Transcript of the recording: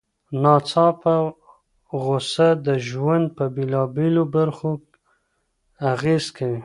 ناڅاپه غوسه د ژوند په بېلابېلو برخو اغېز کوي.